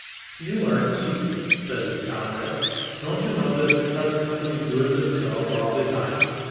"You are easy," said his comrade. "Don't you know that the trust companies do it themselves all the time?